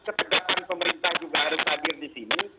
ketegapan pemerintah juga harus hadir di sini